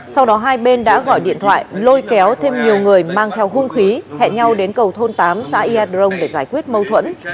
sau đó hai bên đã gọi điện thoại lôi kéo thêm nhiều người mang theo hung khí hẹn nhau đến cầu thôn tám xã iadrong để giải quyết mâu thuẫn